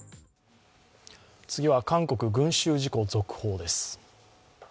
次は韓国、群集事故、続報です。